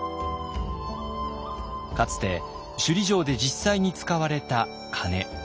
かつて首里城で実際に使われた鐘。